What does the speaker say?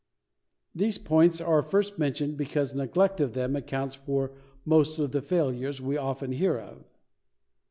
These points are first mentioned because neglect of them accounts for most of the failures we often hear of.